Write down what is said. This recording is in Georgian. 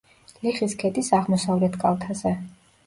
ლიხის ქედის აღმოსავლეთ კალთაზე.